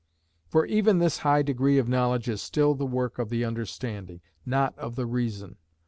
For even this high degree of knowledge is still the work of the understanding, not of the reason.